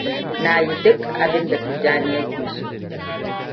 Na yi duk abinda Tijjania ya ke so.